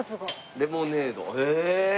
レモネードへえ！